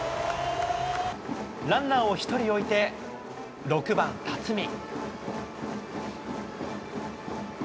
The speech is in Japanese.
ランナーを１人置いて、６番辰己。